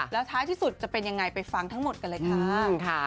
แล้วท้ายที่สุดจะเป็นยังไงไปฟังทั้งหมดกันเลยค่ะ